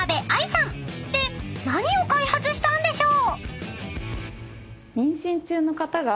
［で何を開発したんでしょう？］